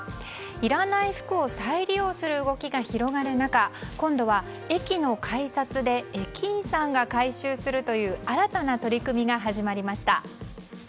いらない服を再利用する動きが広がる中、今度は駅の改札で駅員さんが回収するという新たな取り組みが始まりました。